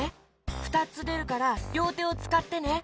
ふたつでるからりょうてをつかってね！